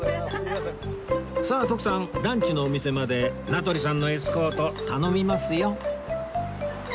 さあ徳さんランチのお店まで名取さんのエスコート頼みますよ！